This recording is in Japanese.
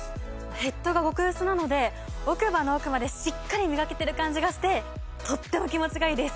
ヘッドが極薄なので奥歯の奥までしっかりみがけてる感じがしてとっても気持ちがイイです！